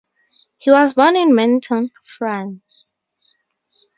He was born in Menton, France.